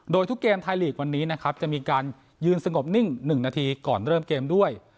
โดยทุกเกมไทยลีกวันนี้นะครับจะมีการยืนสงบนิ่ง๑นาทีก่อนเริ่มเกมด้วย